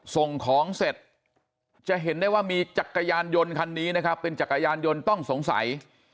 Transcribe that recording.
ส่งของเสร็จจะเห็นได้ว่ามีจักรยานยนต์คันนี้นะครับเป็นจักรยานยนต์ต้องสงสัย